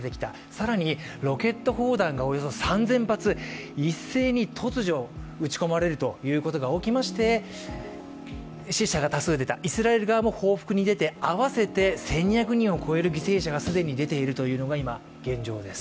更にロケット砲弾がおよそ３０００発一斉に突如撃ち込まれるということが起きまして死者が多数出た、イスラエル側も報復に出て、合わせて１２００人を超える死傷者が出ているというのが、今現状です。